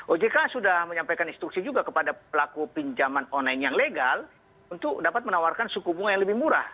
ojk sudah menyampaikan instruksi juga kepada pelaku pinjaman online yang legal untuk dapat menawarkan suku bunga yang lebih murah